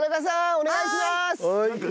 お願いします！